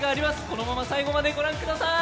このまま最後まで御覧ください。